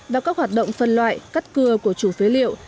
và các hoạt động phân loại cắt cưa của chủ phế liệu